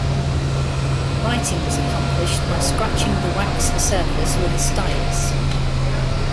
Writing was accomplished by scratching the wax surface with a stylus.